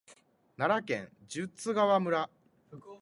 奈良県十津川村